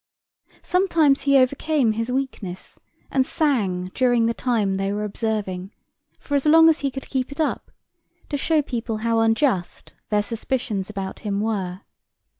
Sometimes he overcame his weakness and sang during the time they were observing, for as long as he could keep it up, to show people how unjust their suspicions about him were.